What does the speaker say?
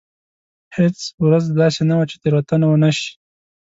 هېڅ ورځ داسې نه وه چې تېروتنه ونه شي.